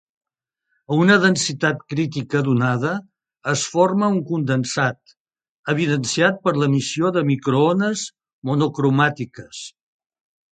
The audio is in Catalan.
A una densitat crítica donada, es forma un condensat, evidenciat per l'emissió de microones monocromàtiques.